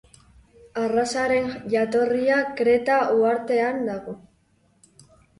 Arrazaren jatorria Kreta uhartean dago.